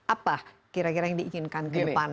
apa kira kira yang diinginkan ke depan